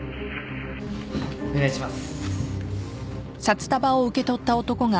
お願いします。